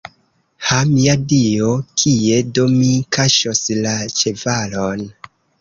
Ha, mia Dio, kie do mi kaŝos la ĉevalon.